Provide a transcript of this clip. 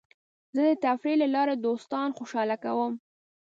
زه د تفریح له لارې دوستان خوشحاله کوم.